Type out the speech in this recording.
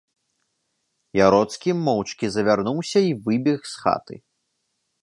Яроцкі моўчкі завярнуўся й выбег з хаты.